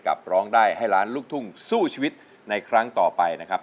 ร้องได้ให้ล้านลูกทุ่งสู้ชีวิตในครั้งต่อไปนะครับ